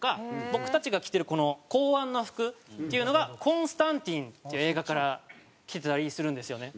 僕たちが着てるこの公安の服っていうのが『コンスタンティン』っていう映画からきてたりするんですよね。